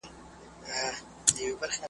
یوه جاهل مي، د خپلي کورنۍ تربیې له برکته .